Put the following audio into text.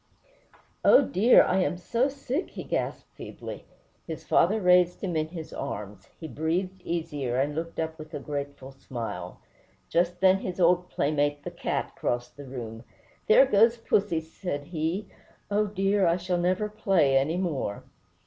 "Oh, dear! I am so sick!" he gasped feebly. His father raised him in his arms; he breathed easier, and looked up with a grateful smile. Just then his old playmate, the cat, crossed the room. "There goes pussy," said he; "oh, dear! I shall never play any more!"